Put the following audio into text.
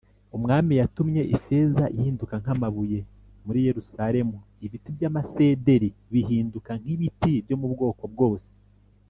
umwami yatumye ifeza ihinduka nk amabuye muri Yerusalemu ibiti by amasederi bihinduka nk ibiti byo mu bwoko bwose